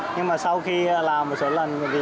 nhưng mà sau khi làm một số lần